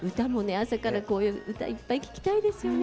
朝からこういう歌いっぱい聴きたいですよね。